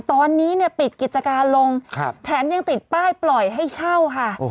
ตอนนี้เนี่ยปิดกิจการลงแถมยังติดป้ายปล่อยให้เช่าค่ะ